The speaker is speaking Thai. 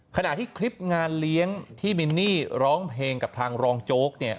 ขณะที่คลิปงานเลี้ยงที่มินนี่ร้องเพลงกับทางรองโจ๊กเนี่ย